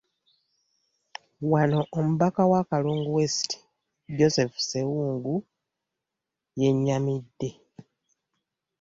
Wano Omubaka wa Kalungu West, Joseph Ssewungu, yennyamidde